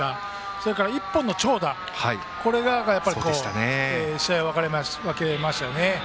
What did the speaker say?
それから１本の長打が試合を分けましたね。